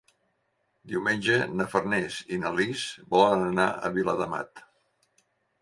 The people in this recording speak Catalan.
Diumenge na Farners i na Lis volen anar a Viladamat.